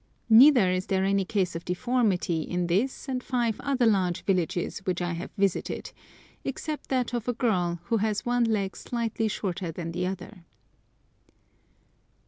Neither is there any case of deformity in this and five other large villages which I have visited, except that of a girl, who has one leg slightly shorter than the other.